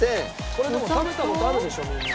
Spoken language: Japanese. これでも食べた事あるでしょうみんな。